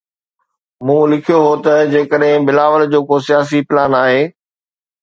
مون لکيو هو ته جيڪڏهن بلاول جو ڪو سياسي پلان آهي.